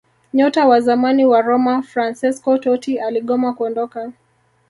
Nyota wa zamani wa Roma Fransesco Totti aligoma kuondoka